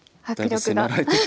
はい。